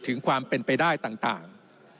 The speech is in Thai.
ถึงความเป็นไปได้ต่าง